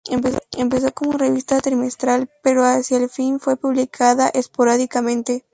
Empezó como revista trimestral, pero hacia el fin fue publicada esporádicamente.